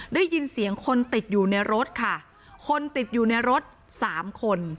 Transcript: ได้ยินเสียงคนติดอยู่ในรถค่ะคนติดอยู่ในรถสามคน